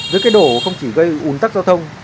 dưới cây đổ không chỉ gây ủn tắc giao thông